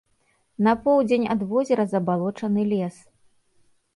На поўдзень ад возера забалочаны лес.